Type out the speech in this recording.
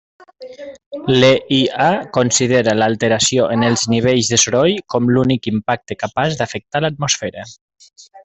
L'EIA considera l'alteració en els nivells de soroll com l'únic impacte capaç d'afectar l'atmosfera.